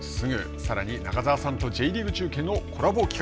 さらに中澤さんとＪリーグ中継のコラボ企画。